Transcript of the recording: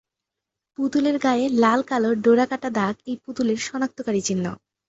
পুতুলের গায়ে লাল-কালো ডোরা কাটা দাগ এই পুতুলের শনাক্তকারী চিহ্ন।